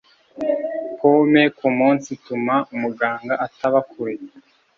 pome kumunsi ituma umuganga ataba kure.